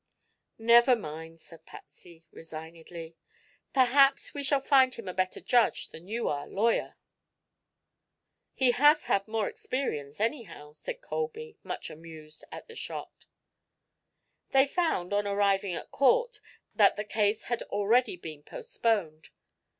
"Never mind," said Patsy resignedly. "Perhaps we shall find him a better judge than you are lawyer." "He has had more experience, anyhow," said Colby, much amused at the shot. They found, on arriving at court, that the case had already been postponed.